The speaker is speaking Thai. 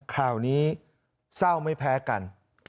ข่าวนี้เศร้าไม่แพ้กัน